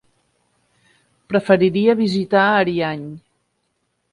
Preferiria visitar Ariany.